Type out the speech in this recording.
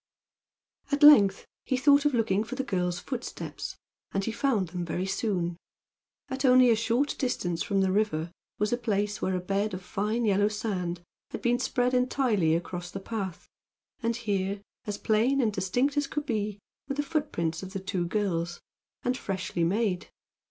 At length he thought of looking for the girls' footsteps, and he found them very soon. At only a short distance from the river was a place where a bed of fine yellow sand had been spread entirely across the path, and here, as plain and distinct as could be, were the footprints of the two girls, and freshly made.